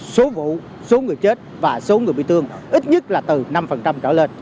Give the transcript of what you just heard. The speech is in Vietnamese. số vụ số người chết và số người bị thương ít nhất là từ năm trở lên